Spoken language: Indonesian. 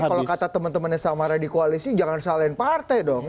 kalau kata teman temannya samara di koalisi jangan salahin partai dong